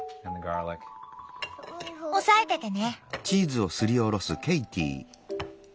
押さえててね。